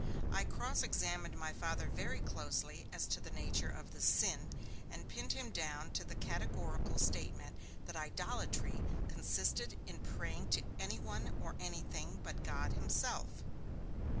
I cross examined my Father very closely as to the nature of this sin, and pinned him down to the categorical statement that idolatry consisted in praying to anyone or anything but God himself.